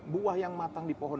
buah yang matang di pohon